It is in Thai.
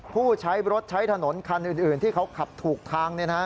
ผู้ใช้รถใช้ถนนคันอื่นที่เขาขับถูกทาง